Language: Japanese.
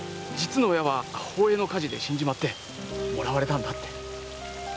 実の親は宝永の火事で死んでもらわれたんだって。